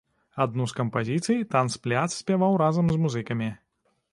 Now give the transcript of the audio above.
Адну з кампазіцый танцпляц спяваў разам з музыкамі.